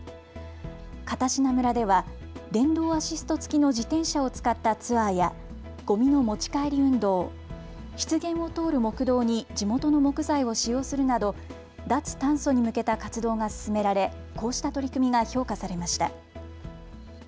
片品村では電動アシスト付きの自転車を使ったツアーやごみの持ち帰り運動、湿原を通る木道に地元の木材を使用するなど脱炭素に向けた活動が進められ、こうした取り組みが評価されました。